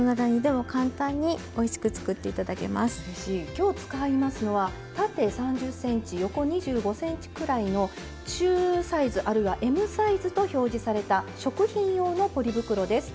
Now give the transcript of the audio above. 今日使いますのは縦３０ｃｍ横２５ｃｍくらいの中サイズあるいはＭサイズと表示された食品用のポリ袋です。